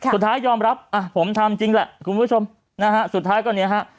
สุดท้ายยอมรับอ่ะผมทำจริงแหละคุณผู้ชมนะฮะสุดท้ายก็เนี่ยฮะ